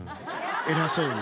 偉そうに。